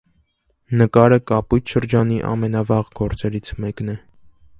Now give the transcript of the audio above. Նկարը «կապույտ շրջանի» ամենավաղ գործերից մեկն է։